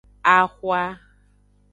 Ahwa.